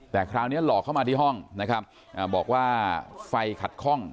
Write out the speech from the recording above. แต่คราวนี้หลอกเข้ามาที่ห้องนะครับบอกว่าไฟขัดข้อง